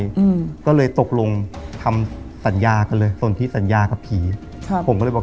อืมก็เลยตกลงทำสัญญากันเลยส่วนที่สัญญากับผีครับผมก็เลยบอก